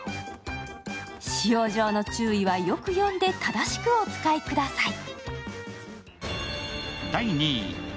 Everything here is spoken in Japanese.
使用上の注意はよく読んで、正しくお使いください。